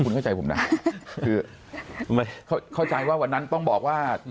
คุณเข้าใจผมนะคือเข้าใจว่าวันนั้นต้องบอกว่า